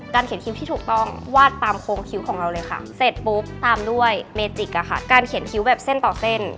การเขียนคิ้วแบบเส้นต่อเส้น